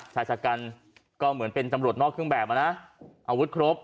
ชายชะกันก็เหมือนเป็นตำรวจนอกเครื่องแบบอ่ะนะอาวุธครบ